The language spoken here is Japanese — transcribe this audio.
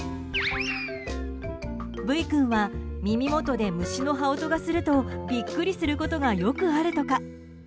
ブイ君は耳元で虫の羽音がするとビックリすることがよくあるとか。